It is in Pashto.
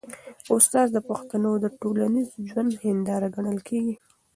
استاد د پښتنو د ټولنیز ژوند هنداره ګڼل کېږي.